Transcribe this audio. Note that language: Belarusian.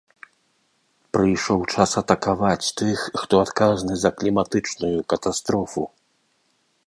Прыйшоў час атакаваць тых, хто адказны за кліматычную катастрофу.